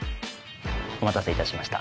お待たせいたしました。